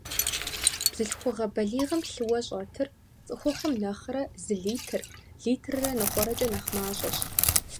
Бзылъхугъэ балигъым лъыуэ щӏэтыр цӏыхухъум нэхърэ зы литр - литррэ ныкъуэрэкӏэ нэхъ мащӏэщ.